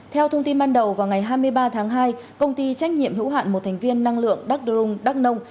theo thông tin ban đầu vào ngày hai mươi ba tháng hai công ty trách nhiệm hữu hạn một thành viên năng lượng đắc drung đắk nông